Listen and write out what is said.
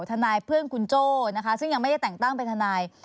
ทนายเพื่อนคุณโจ้นะคะซึ่งยังไม่ได้แต่งตั้งเป็นทนาย